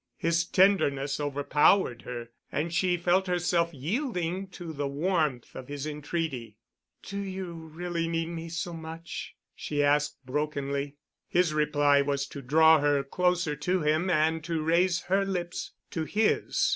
His tenderness overpowered her, and she felt herself yielding to the warmth of his entreaty. "Do you really need me so much?" she asked brokenly. His reply was to draw her closer to him and to raise her lips to his.